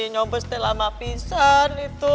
nyobes teh lama pisah